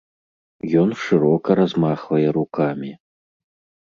Ён шырока размахвае рукамі.